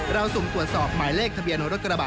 สุ่มตรวจสอบหมายเลขทะเบียนรถกระบะ